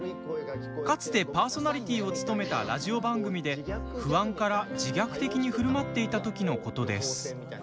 かつてパーソナリティーを務めたラジオ番組で不安から、自虐的にふるまっていたときのことです。